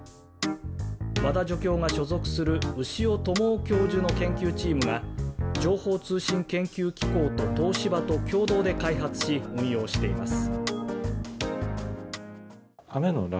まだ状況が所属する牛尾知雄教授の研究チームは情報通信研究機構と東芝と共同で開発し運用しています